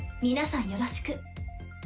皆さんよろしく。